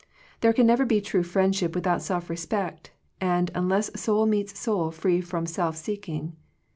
There can never be true friendship without self respect, and un less soul meets soul free from self seek ing.